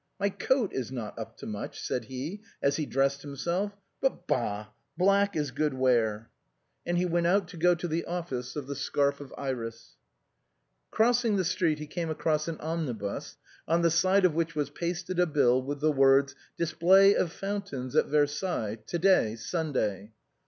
My coat is not up to much," said he, as be dressed himself ;" but, bah ! black is good wear." And he went out to go to the office of " The Scarf of Iris." THE COST OF A FIVE FRANC PIECE. 95 Crossing the street, he came across an omnibus, on the side of which was pasted a bill, with the words, " Display of Fountains at Versailles, to day, Sunday."